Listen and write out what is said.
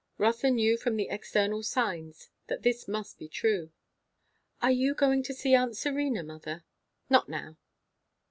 Rotha knew from the external signs that this must be true. "Are you going to see aunt Serena, mother?" "Not now."